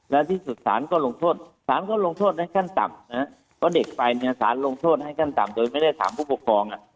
และที่สุดสารก็ลงโทษสารก็ลงโทษในขั้นต่ำนะเพราะเด็กไปเนี่ยสารลงโทษให้ขั้นต่ำโดยไม่ได้ถามผู้ปกครอง